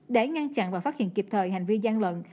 để ngăn chặn và phát hiện kịp thời hành vi gian lận